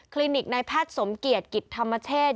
นิกในแพทย์สมเกียจกิจธรรมเชษ